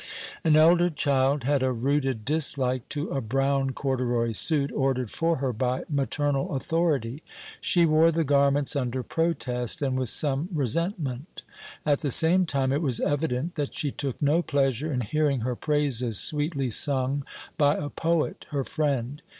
An elder child had a rooted dislike to a brown corduroy suit ordered for her by maternal authority. She wore the garments under protest, and with some resentment. At the same time it was evident that she took no pleasure in hearing her praises sweetly sung by a poet, her friend.